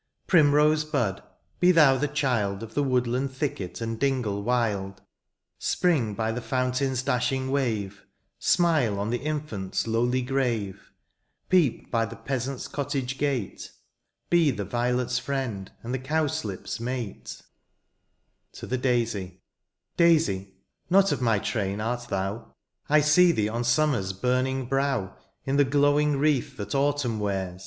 Primrose bud, be thou the child Of the woodland thicket and dingle wild ; Spring by the fountain's dashing wave. Smile on the infant's lowly grave, Peep by the peasant's cottage gate. Be the violefs friend, and the cowslip's mate. 1 54 SPRING TO THE FLOWERS. TO THE DAISY. Daisy, not of my train art thou, I see thee on summer's burning brow. In the glowing wreath that autumn wears.